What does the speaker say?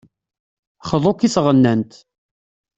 Xḍu-k i tɣennant.